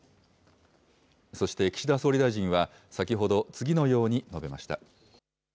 そして岸田総理大臣は、先ほど、次のように述べました。